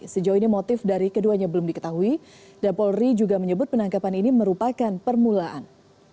sejauh ini motif dari keduanya belum diketahui dan polri juga menyebut penangkapan ini merupakan permulaan